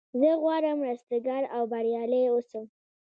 زه غواړم رستګار او بریالی اوسم.